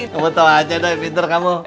kamu tau aja doi pinter kamu